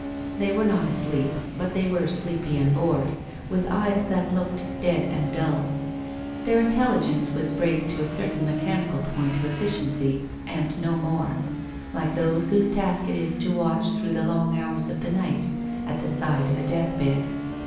They were not asleep, but they were sleepy and bored, with eyes that looked dead and dull. Their intelligence was braced to a certain mechanical point of efficiency and no more, like those whose task it is to watch through the long hours of the night at the side of a death bed.